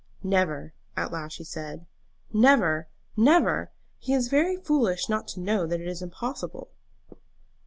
"Never," at last she said, "never, never! He is very foolish not to know that it is impossible."